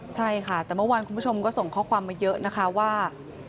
ใช่ค่ะแต่เมื่อวานคุณผู้ชมก็ส่งข้อความมาเยอะนะคะว่า